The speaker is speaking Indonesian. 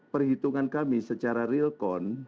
perhitungan kami secara realcon